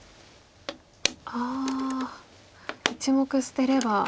ああ１目捨てれば。